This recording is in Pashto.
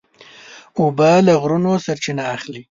اوبه له غرونو سرچینه اخلي.